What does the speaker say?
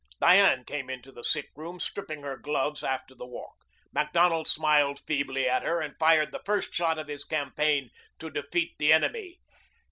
Diane came into the sick room stripping her gloves after the walk. Macdonald smiled feebly at her and fired the first shot of his campaign to defeat the enemy.